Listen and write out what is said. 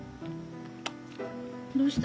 どうした？